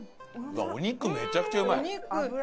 お肉めちゃくちゃうまい。